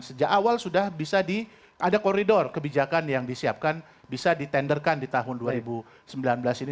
sejak awal sudah bisa di ada koridor kebijakan yang disiapkan bisa ditenderkan di tahun dua ribu sembilan belas ini